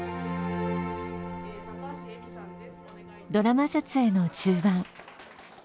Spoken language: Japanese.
ドラマ撮影の中盤。